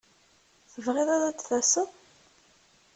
Tebɣiḍ ad d-taseḍ?